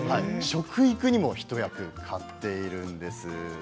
食育にも一役買っています。